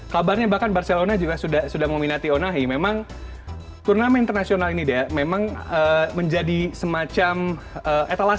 kabarnya bahkan barcelona juga sudah meminati onahi memang turnamen internasional ini memang menjadi semacam etalase